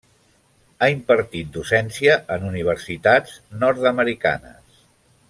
Ha impartit docència en universitats nord-americanes.